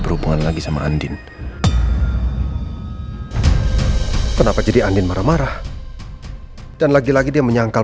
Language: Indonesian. berhubungan lagi sama andin kenapa jadi andin marah marah dan lagi lagi dia menyangkal